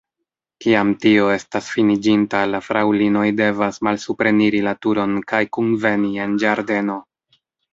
Kiam tio estas finiĝinta, la fraŭlinoj devas malsupreniri la turon kaj kunveni en ĝardeno.